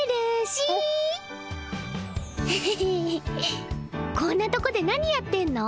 しーこんなとこで何やってんの？